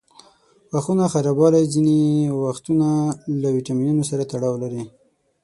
د غاښونو خرابوالی ځینې وختونه له ویټامینونو سره تړاو لري.